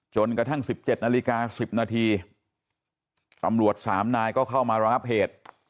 จนกระทั่งสิบเจ็ดนาฬิกาสิบนาทีอำรวจสามนายก็เข้ามารับเหตุ